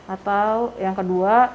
atau yang kedua